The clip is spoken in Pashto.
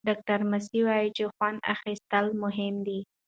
ډاکټره ماسي وايي چې خوند اخیستل مهم دي.